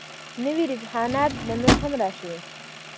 نوي رجحانات به نور هم راشي.